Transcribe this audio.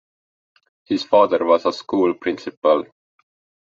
His father was a school principal.